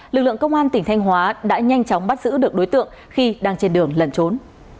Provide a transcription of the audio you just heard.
lực lượng công an tỉnh thanh hóa đã nhanh chóng bắt giữ được đối tượng khi đang trên đường lẩn trốn